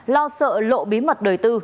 lo sợ lộ bí mật đời tư